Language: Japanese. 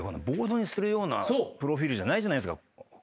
ボードにするようなプロフィルじゃないじゃないですか。